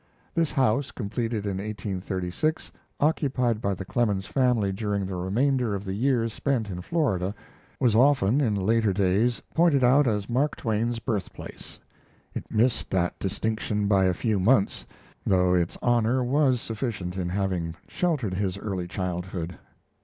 This house, completed in 1836, occupied by the Clemens family during the remainder of the years spent in Florida, was often in later days pointed out as Mark Twain's birthplace. It missed that distinction by a few months, though its honor was sufficient in having sheltered his early childhood.